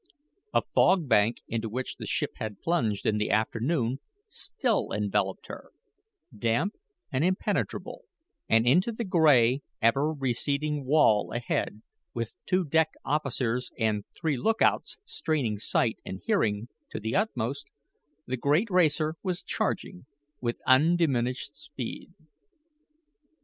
A fog bank, into which the ship had plunged in the afternoon, still enveloped her damp and impenetrable; and into the gray, ever receding wall ahead, with two deck officers and three lookouts straining sight and hearing to the utmost, the great racer was charging with undiminished speed.